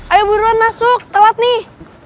ayo buruan masuk telat nih